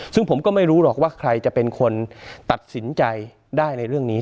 ซึ่งผมก็ไม่รู้หรอกว่าใครจะเป็นคนตัดสินใจได้ในเรื่องนี้